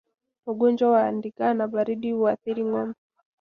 Ugonjwa wa ndigana baridi huathiri ngombe